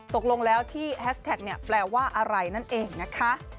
ตกลงแล้วที่แฮสแท็กเนี่ยแปลว่าอะไรนั่นเองนะคะ